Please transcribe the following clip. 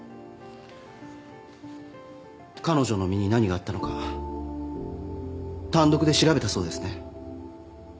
彼女の身に何があったのか単独で調べたそうですね。